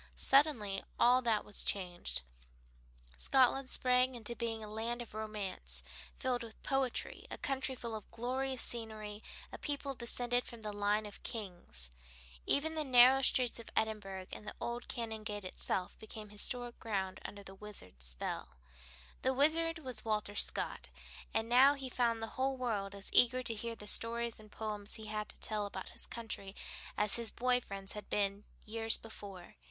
Suddenly all that was changed: Scotland sprang into being as a land of romance, filled with poetry, a country full of glorious scenery, a people descended from a line of kings. Even the narrow streets of Edinburgh and the old Canongate itself became historic ground under the Wizard's spell. The Wizard was Walter Scott, and now he found the whole world as eager to hear the stories and poems he had to tell about his country as his boy friends had been years before.